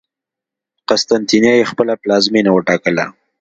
قسطنطنیه یې خپله پلازمېنه وټاکله.